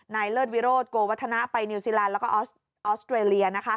เลิศวิโรธโกวัฒนะไปนิวซีแลนด์แล้วก็ออสเตรเลียนะคะ